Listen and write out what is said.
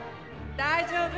大丈夫？